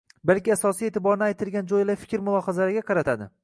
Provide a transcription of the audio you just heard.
balki asosiy e’tiborni aytilgan jo‘yali fikr-mulohazalarga qaratadi